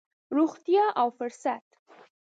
روغتيا او فرصت.